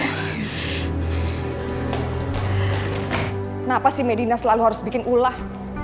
kenapa sih medina selalu harus bikin ulah